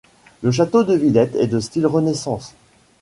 Le château de Villette est de style Renaissance.